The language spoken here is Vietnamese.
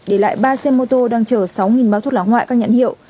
để lại ba xe mô tô đang chở sáu bao thuốc lá ngoại các nhãn hiệu